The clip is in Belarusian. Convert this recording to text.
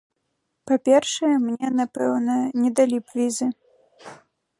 Па-першае, мне, напэўна, не далі б візы.